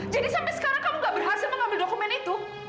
jadi sampai sekarang kamu gak berhasil mengambil dokumen itu